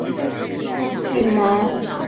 复眼光滑或具毛。